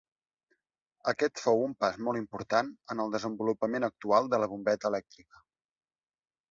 Aquest fou un pas molt important en el desenvolupament actual de la bombeta elèctrica.